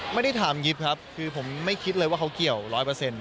ไม่ได้ถามยิบครับคือผมไม่คิดเลยว่าเขาเกี่ยวร้อยเปอร์เซ็นต